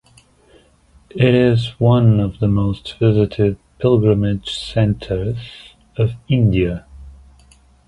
It is one of the most visited pilgrimage centers of India.